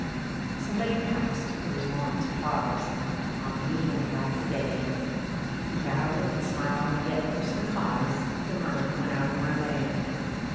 Somebody passed, who was wont to pause: (Ah me, and alack a day.) He bowed and smiled; yet for some cause The mirth went out of my lay.